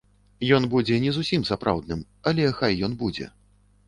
Ён будзе не зусім сапраўдным, але хай ён будзе.